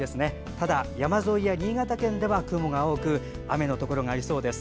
ただ、山沿いや新潟県では雲が多く雨のところがありそうです。